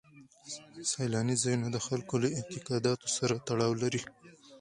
سیلاني ځایونه د خلکو له اعتقاداتو سره تړاو لري.